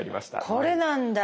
これなんだ。